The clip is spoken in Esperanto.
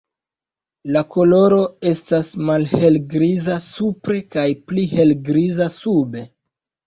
La koloro estas malhelgriza supre kaj pli helgriza sube.